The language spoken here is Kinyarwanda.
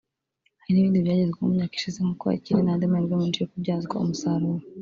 hari n’ibindi byagezweho mu myaka ishize nk’uko hakiri n’andi mahirwe menshi yo kubyazwa umusaruro